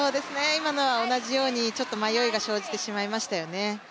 今のは同じように迷いが生じてしまいましたよね。